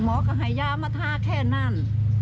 หมอก็ให้ยามาทาแค่นั้น